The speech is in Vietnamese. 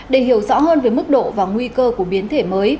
để hiểu rõ hơn về mức độ và nguy cơ của biến thể mới